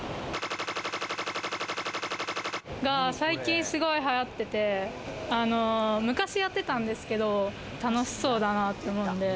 が最近すごい流行ってて、昔やってたんですけど楽しそうだなって思うので。